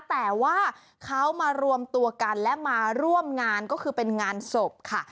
แต่ว่าเขามารวมตัวกันและมาร่วมงานก็คือเป็นงานศพค่ะ